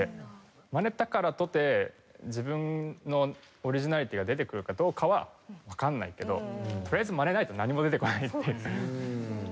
マネたからとて自分のオリジナリティーが出てくるかどうかはわかんないけどとりあえずマネないと何も出てこないっていう。